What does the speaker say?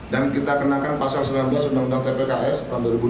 dan kita kenakan pasal sembilan belas undang undang tpks tahun dua ribu dua puluh dua